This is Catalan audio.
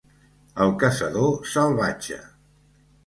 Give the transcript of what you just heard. El caçador salvatge